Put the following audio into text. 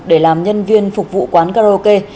để làm nhân viên phục vụ quán karaoke